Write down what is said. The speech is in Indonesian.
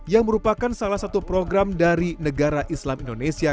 yang merupakan salah satu program dari negara islam indonesia